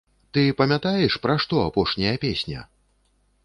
Ты памятаеш, пра што апошняя песня!?